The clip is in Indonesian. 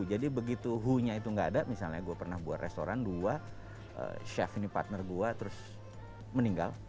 begitu hoo nya itu nggak ada misalnya gue pernah buat restoran dua chef ini partner gue terus meninggal